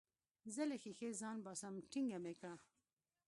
زه له ښيښې ځان باسم ټينګه مې که.